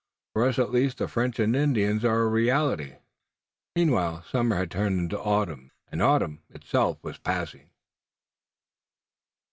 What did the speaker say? For us at least the French and Indians are a reality." Meanwhile summer had turned into autumn, and autumn itself was passing.